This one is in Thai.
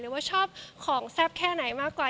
ว่าชอบของแซ่บแค่ไหนมากกว่า